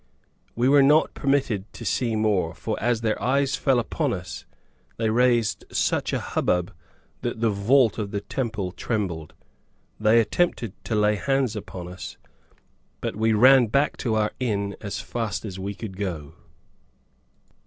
We were not permitted to see more, for as their eyes fell upon us, they raised such a hubbub that the vault of the temple trembled. They attempted to lay hands upon us, but we ran back to our inn as fast as we could go.)